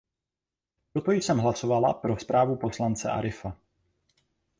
Proto jsem hlasovala pro zprávu poslance Arifa.